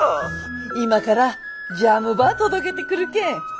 今からジャムば届けてくるけん。